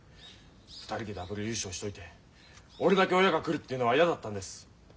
２人でダブル優勝しといて俺だけ親が来るっていうのは嫌だったんです。